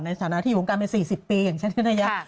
ในฐานะที่อยู่กันไป๔๐ปีอย่างเช่นนี้นะครับ